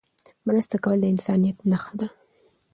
مرسته کول د انسانيت نښه ده.